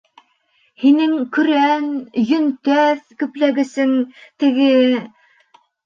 Һинең көрән, йөнтәҫ көпләгесең, теге...